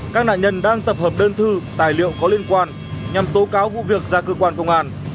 các nạn nhân đang tập hợp đơn thư tài liệu có liên quan nhằm tố cáo vụ việc ra cơ quan công an